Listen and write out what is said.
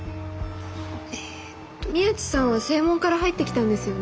えっと宮地さんは正門から入ってきたんですよね？